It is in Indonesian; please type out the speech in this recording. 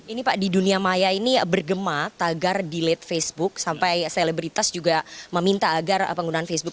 ini pak di dunia maya ini bergema tagar delate facebook sampai selebritas juga meminta agar penggunaan facebook